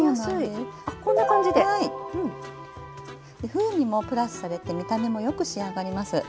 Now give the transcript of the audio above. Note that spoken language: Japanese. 風味もプラスされて見た目もよく仕上がります。